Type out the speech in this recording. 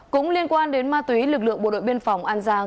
cũng liên quan đến ma túy lực lượng bộ đội biên phòng an giang